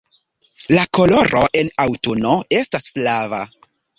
La koloro en aŭtuno estas flava.